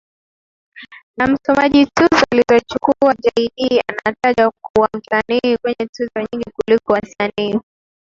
na msomaji Tuzo alizochukua Jay Dee anatajwa kuwa msanii mwenye tuzo nyingi kuliko wasanii